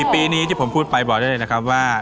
ปีนี้ที่ผมพูดไปบอกได้เลยนะครับว่า